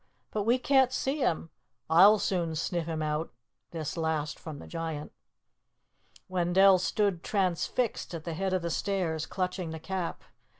"but we can't see him" "I'll soon sniff him out" this last from the Giant. Wendell stood transfixed at the head of the stairs, clutching the Cap.